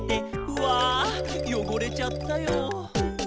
「うぁよごれちゃったよ」